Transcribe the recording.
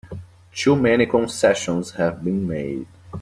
Too many concessions have been made!